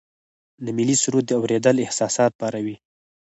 د ملي سرود اوریدل احساسات پاروي.